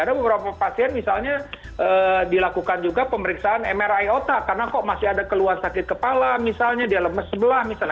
ada beberapa pasien misalnya dilakukan juga pemeriksaan mri otak karena kok masih ada keluhan sakit kepala misalnya dia lemes sebelah misalnya